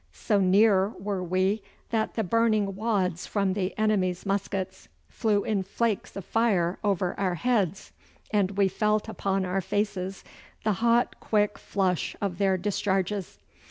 So near were we that the burning wads from the enemy's muskets flew in flakes of fire over our heads, and we felt upon our faces the hot, quick flush of their discharges.